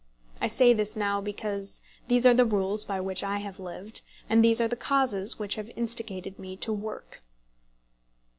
I say this now, because these are the rules by which I have lived, and these are the causes which have instigated me to work.